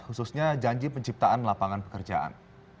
khususnya janji penciptaan lapangan pekerjaan